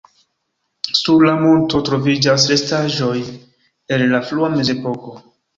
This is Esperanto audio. Sur la monto troviĝas restaĵoj el la frua mezepoko.